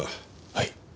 はい。